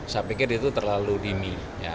saya pikir itu terlalu dini